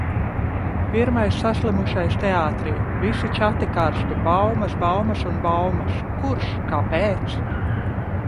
Pirmais saslimušais teātrī! Visi čati karsti – baumas, baumas un baumas. Kurš? Kāpēc?